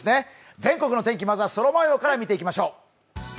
全国の天気、まずは空もようから見ていきましょう。